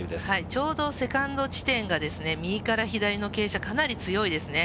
ちょうどセカンド地点が右から左の傾斜かなり強いですね。